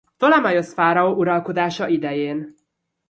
Ptolemaiosz fáraó uralkodása idején.